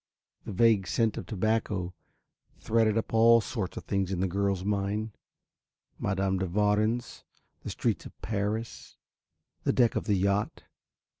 The vague scent of the tobacco threaded up all sorts of things in the girl's mind: Madame de Warens, the streets of Paris, the deck of the yacht.